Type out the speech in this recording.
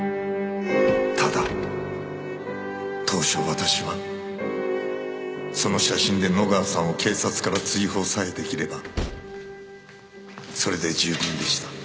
ただ当初私はその写真で野川さんを警察から追放さえ出来ればそれで十分でした。